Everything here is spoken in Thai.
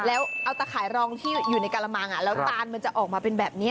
แล้วเอาตะข่ายรองที่อยู่ในการละมังแล้วตานมันจะออกมาเป็นแบบนี้